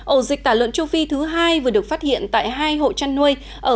ổ dịch tả luận châu phi thứ hai vừa được phát hiện tại hai hộ trăn nuôi